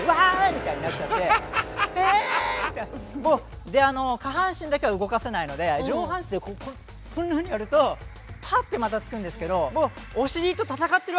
みたいになっちゃって「ええ？」。下半身だけは動かせないので上半身でこうこんなふうにやるとぱってまたつくんですけどお尻と闘ってるわけですよ